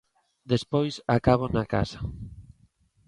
Despois acabo na casa.